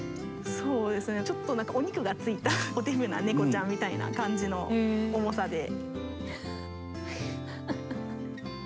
そうですねちょっと何かお肉がついたおデブな猫ちゃんみたいな感じの重さで。